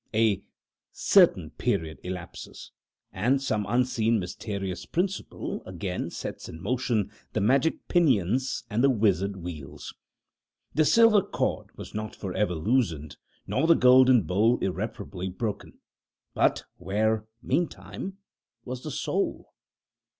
A certain period elapses, and some unseen mysterious principle again sets in motion the magic pinions and the wizard wheels. The silver cord was not for ever loosed, nor the golden bowl irreparably broken. But where, meantime, was the soul?